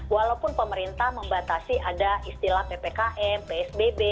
walaupun pemerintah membatasi ada istilah ppkm psbb